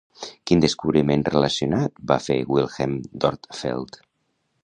Quin descobriment relacionat va fer Wilhelm Dörpfeld?